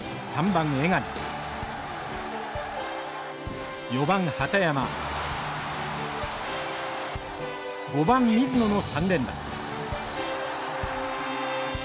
３番江上４番畠山５番水野の３連打。